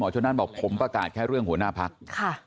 ตอนนั้นบอกผมพระกาศแค่เรื่องหัวหน้าภัคดิ์